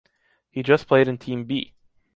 He just played in team B.